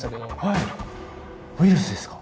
ウイルスですか？